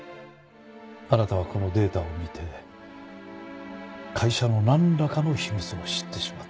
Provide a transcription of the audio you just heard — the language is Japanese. あなたはこのデータを見て会社のなんらかの秘密を知ってしまった。